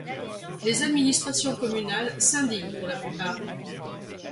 Les administrations communales s'indignent pour la plupart.